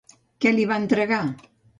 Què li va entregar?